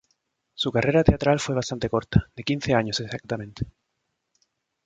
Su carrera teatral fue bastante corta, de quince años exactamente.